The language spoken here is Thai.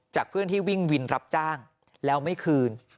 เพื่อนที่วิ่งวินรับจ้างแล้วไม่คืน